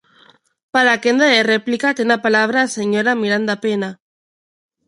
Para a quenda de réplica, ten a palabra a señora Miranda Pena.